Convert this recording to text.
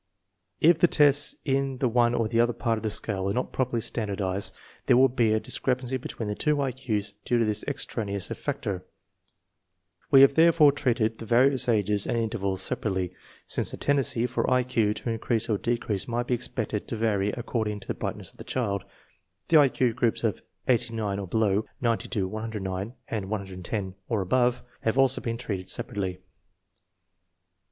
H the tests in the one or the other part of the scale are not properly standardized, there will be a dis crepancy between the two I Q*s due to this extraneous factor. We have therefore treated the various ages and intervals separately. Since the tendenqy for I Q to increase or decrease might be expected to vary ac cording to the brightness of the child, the I Q groups of 89 or below, 90 to 109, and 110 or above, have also been treated separately.